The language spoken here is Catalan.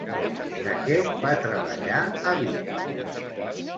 De què va treballar a Vic?